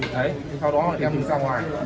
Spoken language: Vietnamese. đấy sau đó thì em ra ngoài